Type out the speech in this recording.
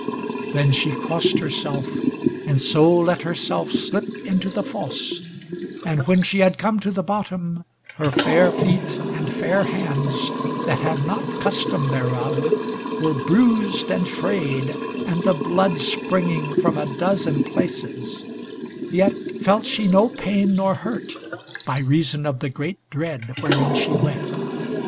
Then she crossed herself, and so let herself slip into the fosse, and when she had come to the bottom, her fair feet, and fair hands that had not custom thereof, were bruised and frayed, and the blood springing from a dozen places, yet felt she no pain nor hurt, by reason of the great dread wherein she went.